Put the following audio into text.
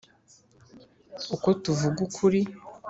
Uko tuvuga ukuri